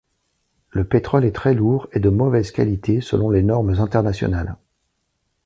Le pétrole est très lourd et de mauvaise qualité selon les normes internationales.